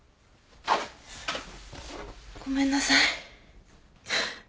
ごめんなさい。